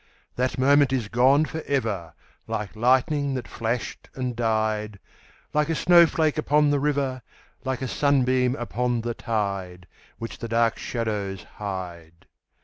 _5 2. That moment is gone for ever, Like lightning that flashed and died Like a snowflake upon the river Like a sunbeam upon the tide, Which the dark shadows hide.